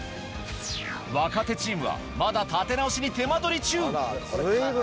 若手チームは、まだ立て直しに手間取り中。